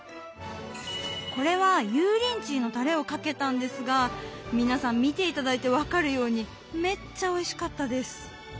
これは油淋鶏のたれをかけたんですが皆さん見て頂いて分かるようにめっちゃおいしかったです。